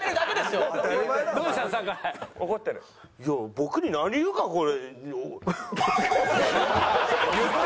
「僕に何言うか」って。